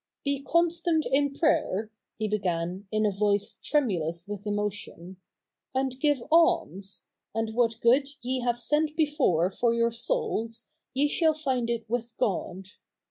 ' Be constant in prayer," he began, in a voice tremulous w'ith emotion, ' and give alms : and what good ye have sent before for your souls, ye shall find it with God.